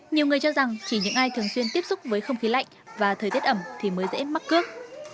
nhiều người cho rằng chỉ những ai thường xuyên tiếp xúc với không khí lạnh và thời tiết ẩm thì mới dễ mắc cướp